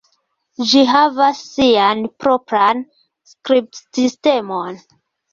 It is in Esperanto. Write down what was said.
Ĝi havas sian propran skribsistemon.